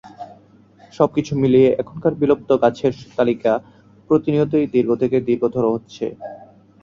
সবকিছু মিলিয়ে এখানকার বিলুপ্ত গাছের তালিকা প্রতিনিয়তই দীর্ঘ থেকে দীর্ঘতর হচ্ছে।